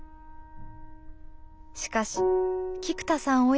しかし菊田さん